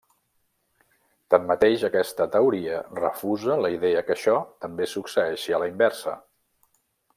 Tanmateix aquesta teoria refusa la idea que això també succeeixi a la inversa.